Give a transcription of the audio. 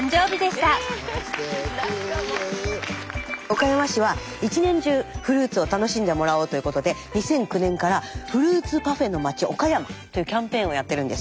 岡山市は１年中フルーツを楽しんでもらおうということで２００９年から「フルーツパフェの街おかやま」というキャンペーンをやってるんです。